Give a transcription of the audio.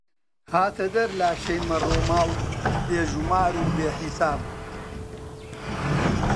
هاتە دەر لاشەی مەڕوماڵ، بێ ژومار و بێ حیساب